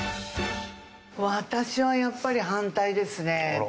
私はやっぱり反対ですね。